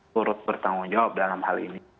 turut bertanggung jawab dalam hal ini